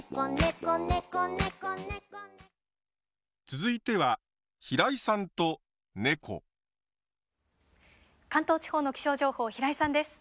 続いては関東地方の気象情報平井さんです。